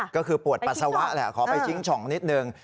ก็คือปวดปัสสาวะแหละขอไปชิงช่องนิดนึง